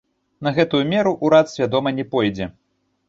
На гэтую меру ўрад свядома не пойдзе.